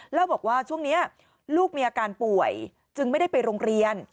แล้วบอกว่าช่วงนี้ลูกมีอาการป่วยจึงไม่ได้ไปโรงเรียน